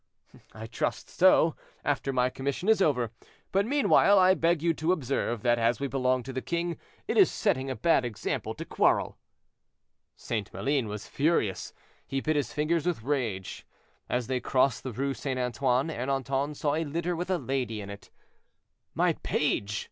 "I trust so, after my commission is over; but, meanwhile, I beg you to observe that as we belong to the king, it is setting a bad example to quarrel." St. Maline was furious, he bit his fingers with rage. As they crossed the Rue St. Antoine, Ernanton saw a litter with a lady in it. "My page!"